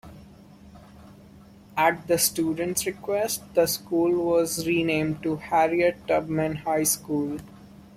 At the students request, the school was renamed to the Harriet Tubman High School.